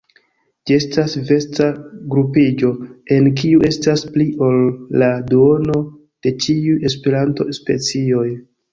Ĝi estas vasta grupiĝo en kiu estas pli ol la duono de ĉiuj serpento-specioj.